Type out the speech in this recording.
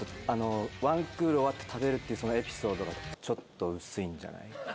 「ワンクール終わって食べる」っていうそのちょっと薄いんじゃないか